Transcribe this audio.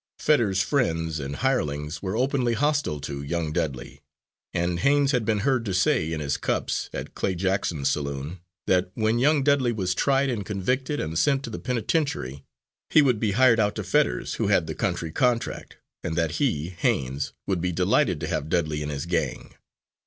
Fetters's friends and hirelings were openly hostile to young Dudley, and Haines had been heard to say, in his cups, at Clay Jackson's saloon, that when young Dudley was tried and convicted and sent to the penitentiary, he would be hired out to Fetters, who had the country contract, and that he, Haines, would be delighted to have Dudley in his gang.